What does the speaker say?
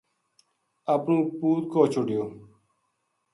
اپنو پوت کوہ چھوڈیو ‘‘